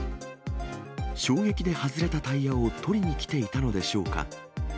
衝撃で外れたタイヤを取りに来ていたのでしょうか。